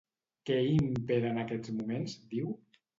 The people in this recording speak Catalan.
Què hi impera en aquests moments, diu?